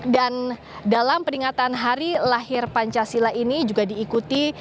dan dalam peringatan hari lahir pancasila ini juga diikuti